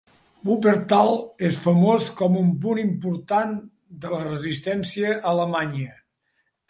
Wuppertal és famós com un punt important de la resistència a Alemanya.